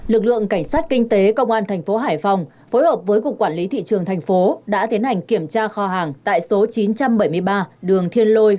lực lượng cảnh sát kinh tế công an thành phố hải phòng phối hợp với cục quản lý thị trường thành phố đã tiến hành kiểm tra kho hàng tại số chín trăm bảy mươi ba đường thiên lôi